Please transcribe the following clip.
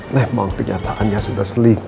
memang kenyataannya sudah selingkuh